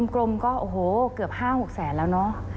กลมก็เกือบ๕๖แสนแล้วเนอะ